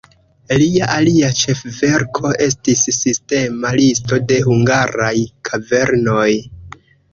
Lia alia ĉefverko estis sistema listo de hungaraj kavernoj.